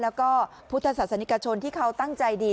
แล้วก็พุทธศาสนิกชนที่เขาตั้งใจดี